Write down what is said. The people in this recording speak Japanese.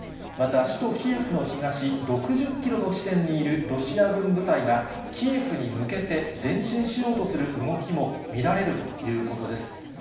また首都キエフの東６０キロの地点にいるロシア軍部隊が、キエフに向けて前進しようとする動きも見られるということです。